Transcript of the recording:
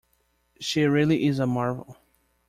She really is a marvel.